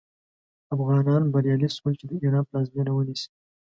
افغانان بریالي شول چې د ایران پلازمینه ونیسي.